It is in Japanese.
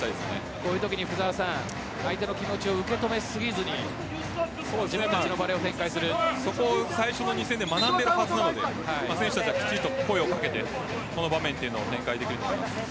こういうときに相手の気持ちを受け止めすぎずにそこを最初の２戦で学んでいるはずなので選手たちは、きちんと声をかけてこの場面を展開できると思います。